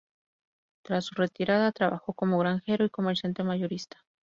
Tras su retirada trabajó como granjero y comerciante mayorista.